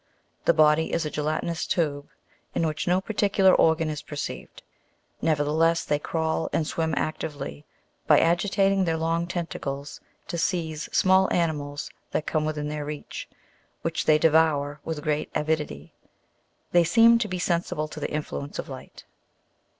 The body is a gelatinous tube, in which no particular organ is perceived ; nevertheless they crawl and swim actively, by agi tating their long tentacles, to seize small animals that come within their reach, which they devour with great avidity ; they seem to be sensible to the influence of light.